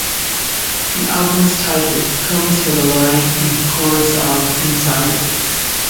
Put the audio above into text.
The album's title comes from a line in the chorus of Insider.